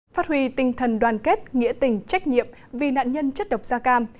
phát huy tinh thần đoàn kết nghĩa tình trách nhiệm vì nạn nhân chất độc da cam